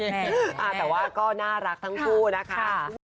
แต่ว่าก็น่ารักทั้งคู่นะคะ